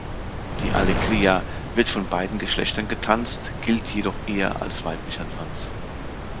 Die Alegría wird von beiden Geschlechtern getanzt, gilt jedoch eher als weiblicher Tanz.